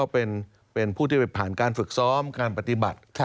เป็นผู้ที่ไปผ่านการฝึกซ้อมการปฏิบัติ